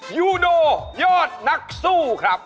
ยูโนยอดนักสู้ครับ